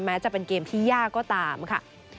แม้จะเป็นเกมที่ยากก็ตามค่ะ